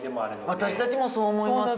私たちもそう思います。